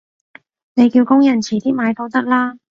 你叫工人遲啲買都得啦